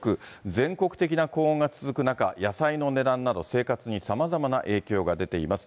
全国的な高温が続く中、野菜の値段など、生活にさまざまな影響が出ています。